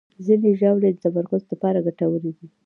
ځینې ژاولې د تمرکز لپاره ګټورې دي.